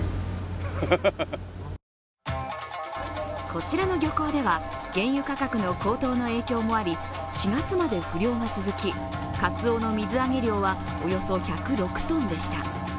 こちらの漁港では、原油価格の高騰の影響もあり４月まで不漁が続き、かつおの水揚げ量はおよそ１０６ｔでした。